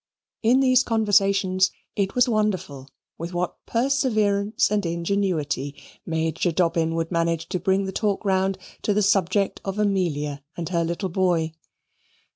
In these conversations it was wonderful with what perseverance and ingenuity Major Dobbin would manage to bring the talk round to the subject of Amelia and her little boy.